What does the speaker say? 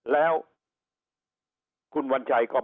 แล้วคุณวันชัยก็บอกว่า